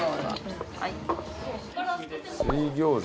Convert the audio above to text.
水餃子？